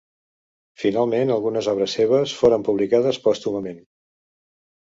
Finalment, algunes obres seves foren publicades pòstumament.